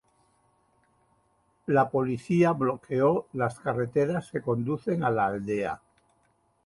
La policía bloqueó las carreteras que conducen a la aldea.